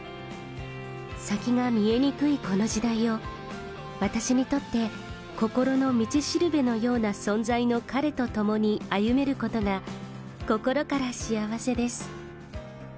先が見えにくいこの時代を、私にとって心の道しるべのような存在の彼と共に歩めることが、心から幸せです。